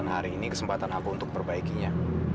dan hari ini kesempatan aku untuk perbaikinya